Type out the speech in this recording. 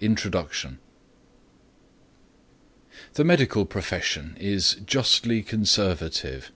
INTRODUCTION The medical profession is justly conservative.